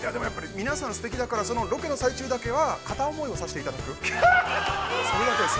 ◆皆さんすてきだから、ロケの最中だけは、片思いをさせていただく。